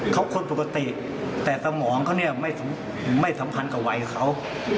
เขาคนปกติแต่สมองเขาเนี่ยไม่สำคัญกับวัยเขา